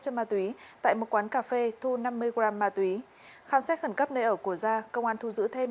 chất ma túy tại một quán cà phê thu năm mươi g ma túy khám xét khẩn cấp nơi ở của gia công an thu giữ thêm